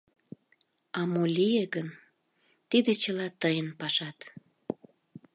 А мо лие гын — тиде чыла тыйын пашат!